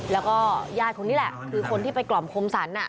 แล้วก็ญาติคนนี้แหละคือคนที่ไปกล่อมคมสรร